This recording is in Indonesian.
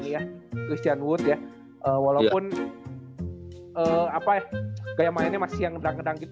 ya christian wood ya walaupun apa ya gaya mainnya masih yang gedang gedang gitu